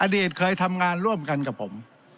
อดีตเคยทำงานร่วมกันกับผม